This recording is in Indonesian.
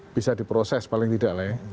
itu sudah diproses paling tidak